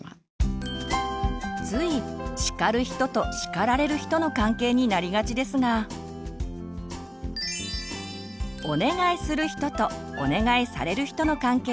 つい「叱る人」と「叱られる人」の関係になりがちですが「お願いする人」と「お願いされる人」の関係を意識して声かけをしてみる。